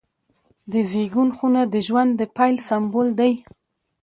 د زیږون خونه د ژوند د پیل سمبول دی.